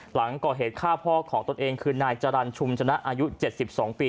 หลังก่อเหตุฆ่าพ่อของตนเองคือนายจรรย์ชุมชนะอายุ๗๒ปี